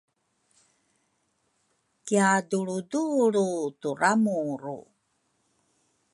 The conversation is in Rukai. kiadulrudulru turamuru